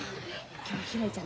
今ひらりちゃん